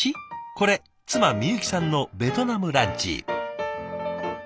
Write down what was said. これ妻みゆきさんのベトナムランチ。